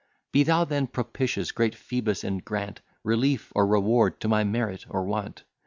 Be thou then propitious, great Phoebus! and grant Relief, or reward, to my merit, or want.